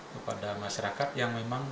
kepada masyarakat yang memang